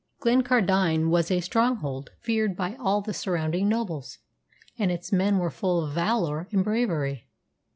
Glencardine was a stronghold feared by all the surrounding nobles, and its men were full of valour and bravery.